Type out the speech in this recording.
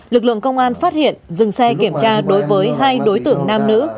lực lượng công an phát hiện dừng xe kiểm tra đối với hai đối tượng nam nữ